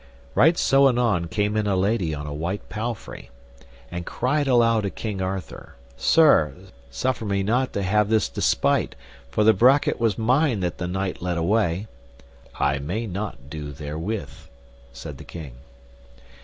Right so anon came in a lady on a white palfrey, and cried aloud to King Arthur, Sir, suffer me not to have this despite, for the brachet was mine that the knight led away. I may not do therewith, said the king.